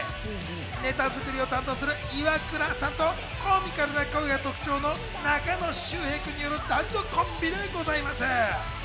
ネタ作りを担当するイワクラさんとコミカルな声が特徴の中野周平くんによる男女コンビでございます。